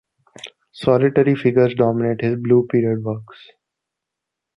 Solitary figures dominate his Blue Period works.